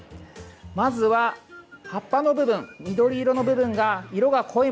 まずは葉っぱの部分緑色の部分が色が濃いもの。